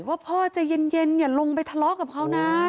ว่าพ่อใจเย็นอย่าลงไปทะเลาะกับเขานะ